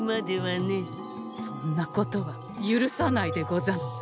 そんなことは許さないでござんす。